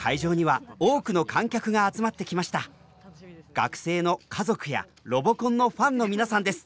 学生の家族や「ロボコン」のファンの皆さんです。